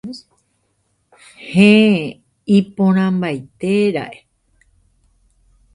Heẽ iporãmbaitera'e.